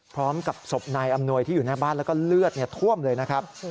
พร้อมกับศพนายอำนวยที่อยู่หน้าบ้านแล้วก็เลือดท่วมเลยนะครับ